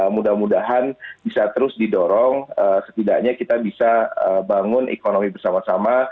mudah mudahan bisa terus didorong setidaknya kita bisa bangun ekonomi bersama sama